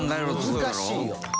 難しいよ。